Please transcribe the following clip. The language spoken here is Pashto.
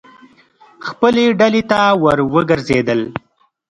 خپلې ډلې ته ور وګرځېدل.